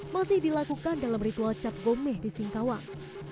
masih dilakukan dalam ritual cap gomeh di singkawang